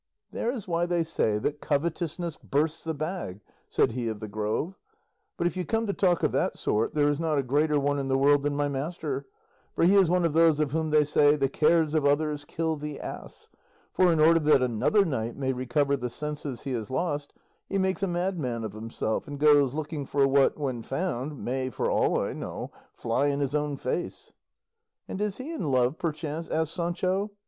"There's why they say that 'covetousness bursts the bag,'" said he of the Grove; "but if you come to talk of that sort, there is not a greater one in the world than my master, for he is one of those of whom they say, 'the cares of others kill the ass;' for, in order that another knight may recover the senses he has lost, he makes a madman of himself and goes looking for what, when found, may, for all I know, fly in his own face." "And is he in love perchance?" asked Sancho.